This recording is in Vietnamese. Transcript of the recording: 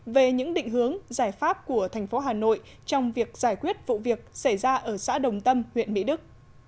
về những định hướng giải pháp của thành phố hà nội trong việc giải quyết vụ việc xảy ra ở xã đồng tâm huyện mỹ đức